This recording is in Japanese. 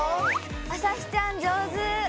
あさひちゃん上手！